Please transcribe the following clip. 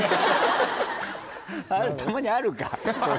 たまにあるか。